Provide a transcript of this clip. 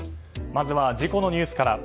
まずは事故のニュースから。